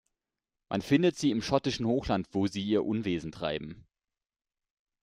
Man findet sie im schottischen Hochland, wo sie ihr Unwesen treiben.